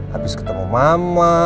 habis ketemu mama